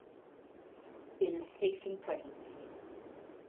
It is safe in pregnancy.